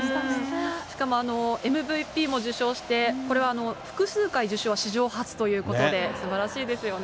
しかもＭＶＰも受賞して、これは複数回受賞は史上初ということで、すばらしいですよね。